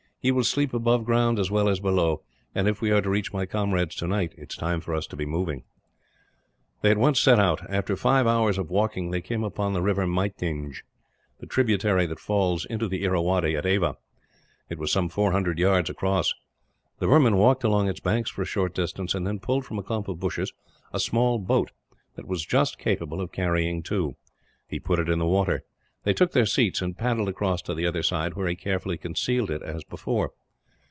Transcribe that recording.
He will sleep above ground, as well as below and, if we are to reach my comrades tonight, it is time for us to be moving." They at once set out. After five hours' walking, they came upon the river Myitnge, the tributary that falls into the Irrawaddy at Ava. It was some four hundred yards across. The Burman walked along its banks for a short distance, and then pulled from a clump of bushes a small boat, that was just capable of carrying two. He put it in the water. They took their seats, and paddled across to the other side; where he carefully concealed it, as before.